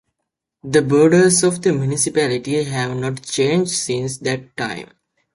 The borders of the municipality have not changed since that time.